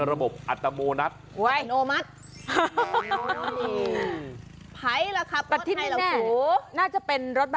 ตนเป็นที่พึ่งแห่งตน